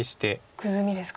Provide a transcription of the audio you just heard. グズミですか。